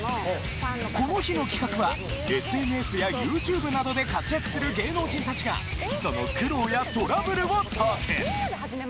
この日の企画は、ＳＮＳやユーチューブなどで活躍する芸能人たちが、その苦労やトラブルをトーク。